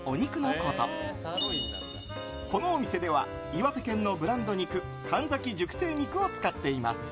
このお店では岩手県のブランド肉門崎熟成肉を使っています。